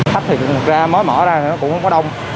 khách thì ra mới mở ra thì cũng có đông